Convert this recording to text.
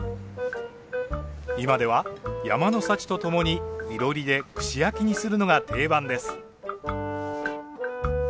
今では山の幸とともにいろりで串焼きにするのが定番です。